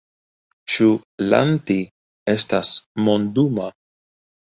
Ĉu Lanti estas monduma?